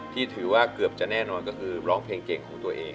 ที่ถือว่าเกือบจะแน่นอนก็คือร้องเพลงเก่งของตัวเอง